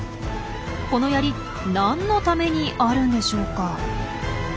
このヤリ何のためにあるんでしょうか？